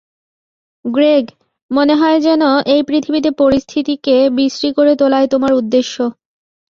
Greg, মনে হয় যেন এই পৃথিবীতে পরিস্থিতিকে বিশ্রী করে তোলাই তোমার উদ্দেশ্য।